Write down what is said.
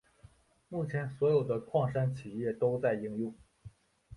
目前所有的矿山企业都在应用。